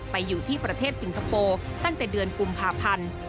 อยู่ที่ประเทศสิงคโปร์ตั้งแต่เดือนกุมภาพันธ์